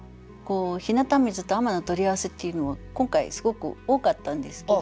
「日向水」と「海女」の取り合わせっていうのは今回すごく多かったんですけど。